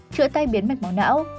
chữa tay biến mạch máu não